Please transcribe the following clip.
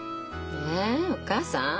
えお母さん？